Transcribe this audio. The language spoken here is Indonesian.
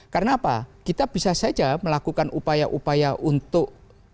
karena apa kita bisa saja melakukan upaya upaya untuk apa yang dilakukan pak jokowi